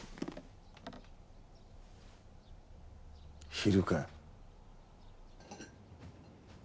昼かよ。